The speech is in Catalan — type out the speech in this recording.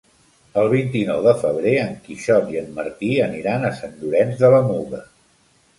El vint-i-nou de febrer en Quixot i en Martí aniran a Sant Llorenç de la Muga.